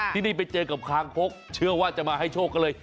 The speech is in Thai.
ที่นี่ไปเจอกับคางคกเชื่อว่าจะมาให้โชคก็เลย